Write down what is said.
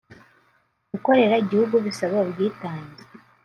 ” Gukorera igihugu bisaba ubwitange